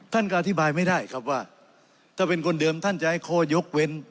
ท่านก็อธิบายไม่ได้ครับว่าถ้าเป็นคนเดิมท่านจะให้ข้อยกเว้น